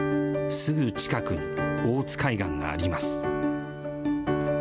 すぐ近くに大津海岸があります。